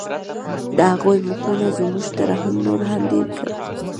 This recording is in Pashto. د هغوی مخونو زموږ ترحم نور هم ډېر کړ